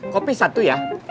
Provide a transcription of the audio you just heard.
kopi satu ya